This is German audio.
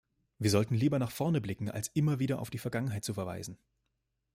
Wir sollten lieber nach vorne blicken als immer wieder auf die Vergangenheit zu verweisen.